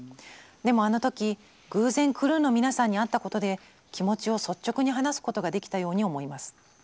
でもあの時偶然クルーの皆さんに会ったことで気持ちを率直に話すことができたように思います。